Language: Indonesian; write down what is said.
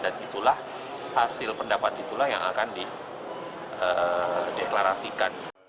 dan itulah hasil pendapat itulah yang akan dideklarasikan